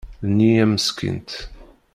D neyya Meskint.